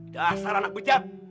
dasar anak bujat